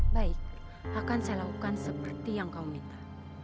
baik akan saya lakukan seperti yang kau minta